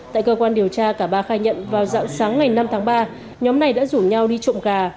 tại cơ quan điều tra cả ba khai nhận vào dạng sáng ngày năm tháng ba nhóm này đã rủ nhau đi trộm gà